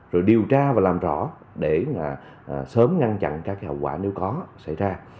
rồi điều tra và làm rõ để sớm ngăn chặn các hậu quả nếu có xảy ra